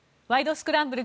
スクランブル」